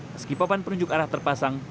meski papan penunjuk arah terpasang